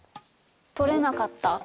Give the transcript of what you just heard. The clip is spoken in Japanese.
取れなかった？